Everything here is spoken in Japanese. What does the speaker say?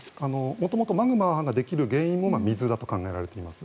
元々マグマができる原因も水だと考えられています。